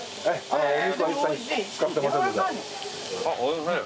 おいしい。